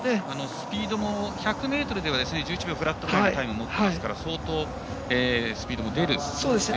スピードも１００ｍでは１１秒フラットのタイムを持っていますから相当、スピードも出る選手ですね。